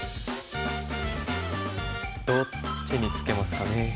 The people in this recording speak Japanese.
どっちにツケますかね。